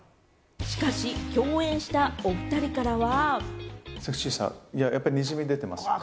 しかし共演した、おふたりからは。